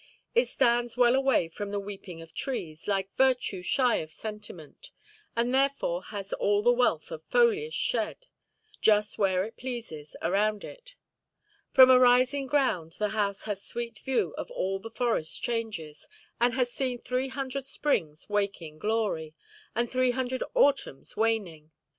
It stands well away from the weeping of trees, like virtue shy of sentiment, and therefore has all the wealth of foliage shed, just where it pleases, around it. From a rising ground the house has sweet view of all the forest changes, and has seen three hundred springs wake in glory, and three hundred autumns waning.